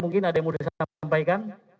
mungkin ada yang mau disampaikan